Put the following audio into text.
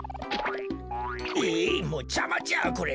えいもうじゃまじゃこれ。